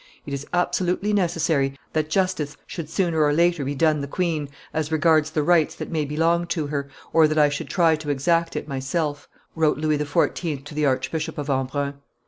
"It is absolutely necessary that justice should sooner or later be done the queen, as regards the rights that may belong to her, or that I should try to exact it myself," wrote Louis XIV. to the Archbishop of Embrun.